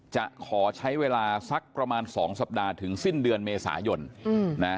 จะขอใช้เวลาสักประมาณ๒สัปดาห์ถึงสิ้นเดือนเมษายนนะ